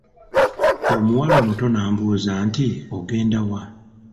Omuwala omuto n'ambuuza nti, ogenda wa?